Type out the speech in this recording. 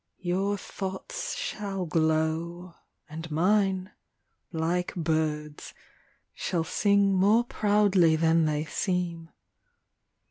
Your thoughts shall glow, and mine, like birds. Shall sing more proudly than they seem.